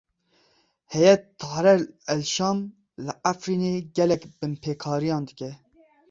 Heyet Tehrîr el Şam li Efrînê gelek binpêkariyan dike.